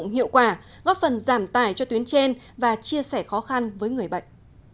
hiệu quả góp phần giảm tài cho tuyến trên và chia sẻ khó khăn với người bệnh